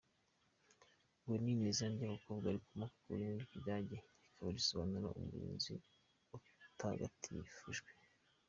Winnie ni izina ry’abakobwa rikomoka ku rurimi rw’Ikidage rikaba risobanura “Umurinzi utagatifujwe”.